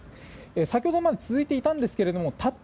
先ほどまで続いていたんですがたった